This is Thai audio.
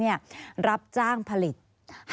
มีความรู้สึกว่ามีความรู้สึกว่า